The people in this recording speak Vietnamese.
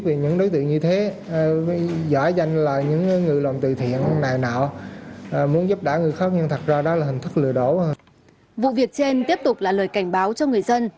vụ việc trên tiếp tục là lời cảnh báo cho người dân